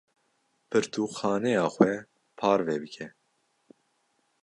Pirtûkxaneya xwe parve bike.